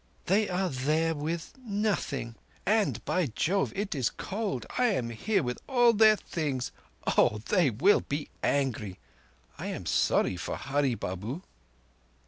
"They are there—with nothing; and, by Jove, it is cold! I am here with all their things. Oh, they will be angry! I am sorry for Hurree Babu."